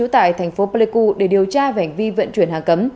thành phố pleiku để điều tra và hành vi vận chuyển hàng cấm